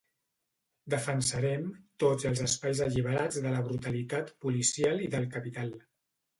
Defensarem tots els espais alliberats de la brutalitat policial i del capital.